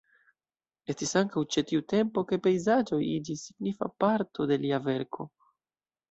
Estis ankaŭ ĉe tiu tempo ke pejzaĝoj iĝis signifa parto de lia verko.